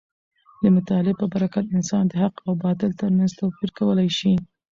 د مطالعې په برکت انسان د حق او باطل تر منځ توپیر کولی شي.